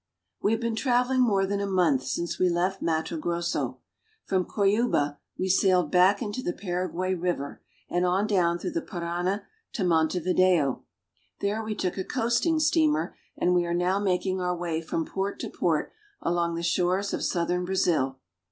WE have been travehng more than a month since we left Matto Grosso. From Cuyaba we sailed back into the Paraguay river, and on down through the Parana to Montevideo. There we took a coasting steamer, and we are now making our way from port to port along the shores of southern Brazil.